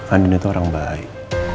andin itu orang baik